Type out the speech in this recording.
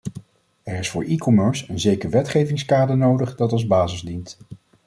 Er is voor e-commerce een zeker wetgevingskader nodig dat als basis dient.